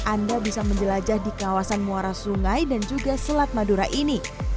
anda bisa menjelajah di kawasan muara sungai dan juga selat madura ini